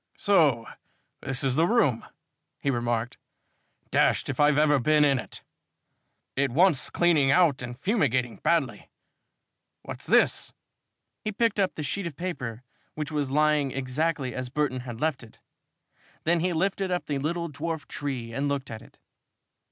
"So this is the room," he remarked. "Dashed if I've ever been in it! It wants cleaning out and fumigating badly. What's this?" He picked up the sheet of paper, which was lying exactly as Burton had left it. Then he lifted up the little dwarf tree and looked at it.